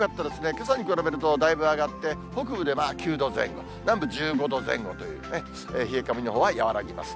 けさに比べるとだいぶ上がって、北部で９度前後、南部１５度前後というね、冷え込みのほうは和らぎます。